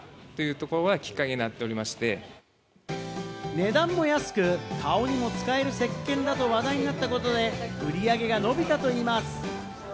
値段も安く、顔にも使える石鹸だと話題になったことで売り上げが伸びたといいます。